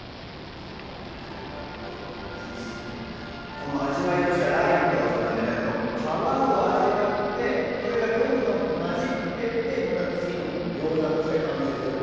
この味わいとしてはライムとなめたけと皮を味わってそれがどんどん混じってってまた次の餃子として完成するっていうのが。